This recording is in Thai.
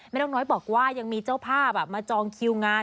นกน้อยบอกว่ายังมีเจ้าภาพมาจองคิวงาน